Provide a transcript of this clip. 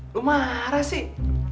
lu marah sih